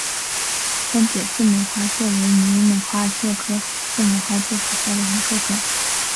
分解似美花介为似美花介科似美花介属下的一个种。